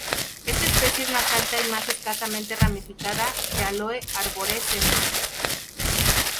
Esta especie es más alta y más escasamente ramificada que "Aloe arborescens".